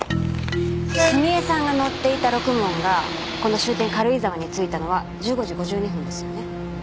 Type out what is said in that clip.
澄江さんが乗っていたろくもんがこの終点軽井沢に着いたのは１５時５２分ですよね。